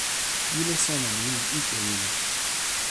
wile sona ni li ike lili.